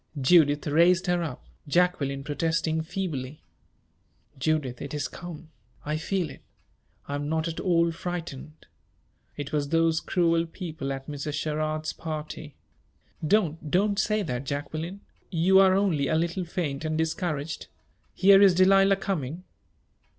Judith raised her up, Jacqueline protesting feebly. "Judith, it is come! I feel it. I am not at all frightened. It was those cruel people at Mrs. Sherrard's party " "Don't don't say that, Jacqueline! You are only a little faint and discouraged. Here is Delilah coming."